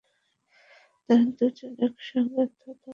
তারা দুই জন একই সঙ্গে আত্মহত্যা করেন।